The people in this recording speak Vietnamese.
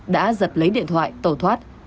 đã giật lấy điện thoại tẩu thoát